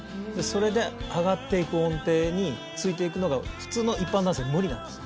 それで上がっていく音程についていくのが普通の一般男性無理なんです